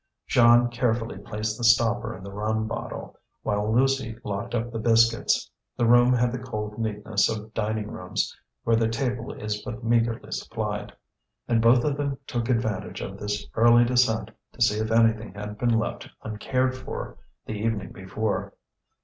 Jeanne carefully placed the stopper in the rum bottle, while Lucie locked up the biscuits. The room had the cold neatness of dining rooms where the table is but meagrely supplied. And both of them took advantage of this early descent to see if anything had been left uncared for the evening before.